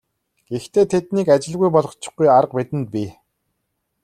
Гэхдээ тэднийг ажилгүй болгочихгүй арга бидэнд бий.